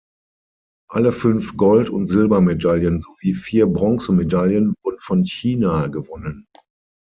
Alle fünf Gold- und Silbermedaillen sowie vier Bronzemedaillen wurden von China gewonnen.